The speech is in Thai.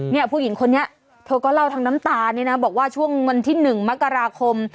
ผู้หญิงคนนี้เธอก็เล่าทั้งน้ำตาเนี่ยนะบอกว่าช่วงวันที่๑มกราคม